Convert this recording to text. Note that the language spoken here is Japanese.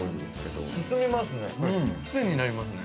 進みますね。